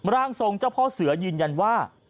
ร่างทรงเจ้าพ่อเสือยืนยันว่า